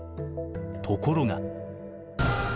ところが。